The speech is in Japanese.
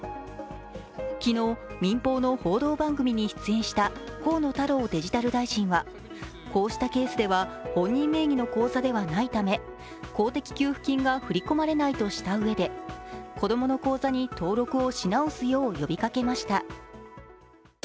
昨日、民放の報道番組に出演した河野太郎デジタル大臣はこうしたケースでは本人名義の口座ではないため、公的給付金が振り込まれないとしたうえで子供の口座に登録をし直すよう呼びかけました。